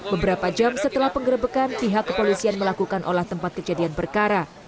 beberapa jam setelah pengerebekan pihak kepolisian melakukan olah tempat kejadian perkara